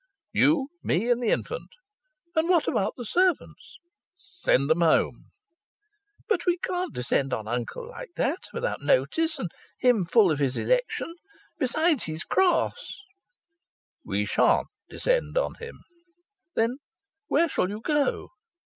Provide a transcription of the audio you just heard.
"You, me, and the infant." "And what about the servants?" "Send 'em home." "But we can't descend on uncle like that without notice, and him full of his election! Besides, he's cross." "We shan't descend on him." "Then where shall you go?"